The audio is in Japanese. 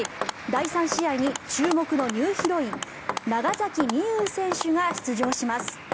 第３試合に注目のニューヒロイン長崎美柚選手が出場します。